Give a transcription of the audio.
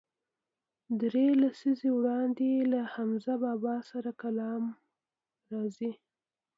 درې لسیزې وړاندې یې له حمزه بابا سره کلام راځي.